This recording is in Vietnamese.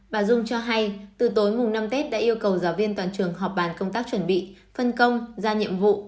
bà dung cho hay từ tối mùng năm tết đã yêu cầu giáo viên toàn trường họp bàn công tác chuẩn bị phân công ra nhiệm vụ